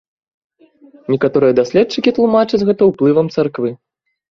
Некаторыя даследчыкі тлумачаць гэта ўплывам царквы.